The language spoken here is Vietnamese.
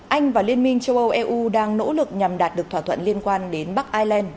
anh và liên minh châu âu eu đang nỗ lực nhằm đạt được thỏa thuận liên quan đến bắc ireland